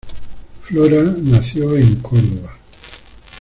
Flora nació en Córdoba.